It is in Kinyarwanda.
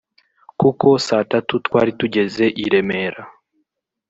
kuko saa tatu twari tugeze i Remera